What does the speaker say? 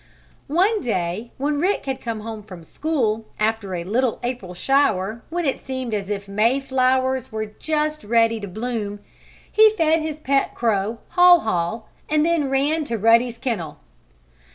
One day, when Rick had come home from school, after a little April shower, and when it seemed as if May flowers were just ready to bloom, he fed his pet crow, Haw Haw, and then ran to Ruddy's kennel.